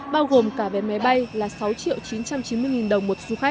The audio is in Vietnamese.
bao gồm cả vé máy bay là sáu triệu chín trăm chín mươi nghìn đồng